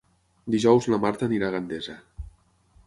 Dijous na Marta anirà a Gandesa.